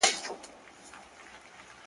هغه له پاڼو تشه توره ونه؛